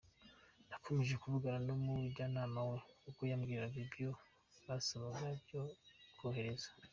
Nakomeje kuvugana n’umujyanama we kuko yambwiraga ibyo basabaga byo kohereza.